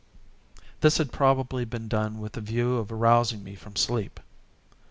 This had probably been done with the view of arousing me from sleep.